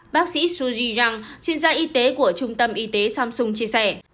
bác sĩ suzy yang chuyên gia y tế của trung tâm y tế samsung chia sẻ